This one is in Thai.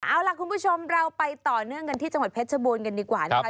เอาล่ะคุณผู้ชมเราไปต่อเนื่องกันที่จังหวัดเพชรบูรณ์กันดีกว่านะคะ